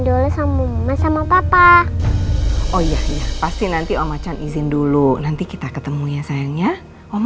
dulu sama sama papa oh iya pasti nanti om ajan izin dulu nanti kita ketemu ya sayangnya om